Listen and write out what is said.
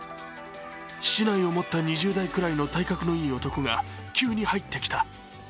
竹刀を持った２０代くらいの体格のいい男が急に入ってきた。